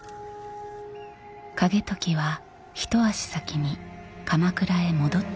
景時は一足先に鎌倉へ戻ってきている。